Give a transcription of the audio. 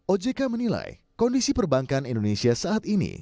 ojk menilai kondisi perbankan indonesia saat ini